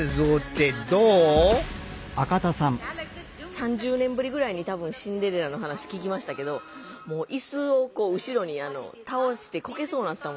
３０年ぶりぐらいに多分「シンデレラ」の話聞きましたけどもう椅子を後ろに倒してこけそうになったもん。